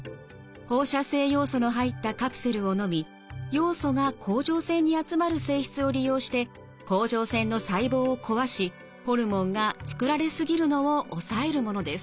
放射性ヨウ素の入ったカプセルをのみヨウ素が甲状腺に集まる性質を利用して甲状腺の細胞を壊しホルモンが作られ過ぎるのを抑えるものです。